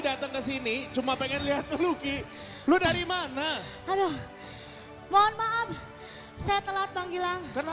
dateng ke sini cuma pengen lihat lucky lu dari mana aduh mohon maaf saya telat bang hilang karena